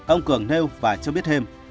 ông cường nêu và cho biết thêm